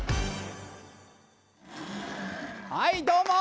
はいどうも！